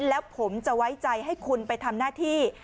แล้วผมจะไว้ใจให้คุณไปทำหน้าที่